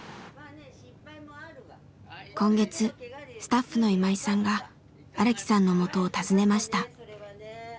今月スタッフの今井さんが荒木さんのもとを訪ねました。